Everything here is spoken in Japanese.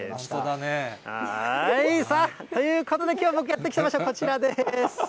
さあ、ということできょう、僕がやって来た場所、こちらです。